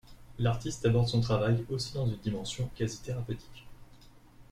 L'artiste aborde son travail aussi dans une dimension quasi thérapeutique.